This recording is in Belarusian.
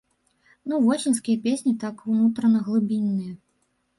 Ну восеньскія песні, так, унутрана-глыбінныя.